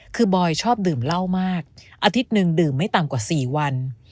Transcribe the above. คือบอยชอบดื่มเหล้ามากอาทิตย์หนึ่งดื่มไม่ต่ำกว่า๔วัน